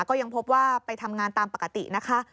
ก็ยังพบว่าไปทำงานตามปกตินะคะ